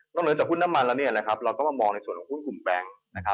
นอกจากหุ้นน้ำมันเราต้องมามองในส่วนหุ้นกลุ่มแบงค์